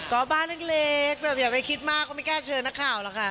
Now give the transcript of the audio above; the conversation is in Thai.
ต่อบ้านอังเล็กอย่าไปคิดมากก็ไม่แก้เชิญนักข่าว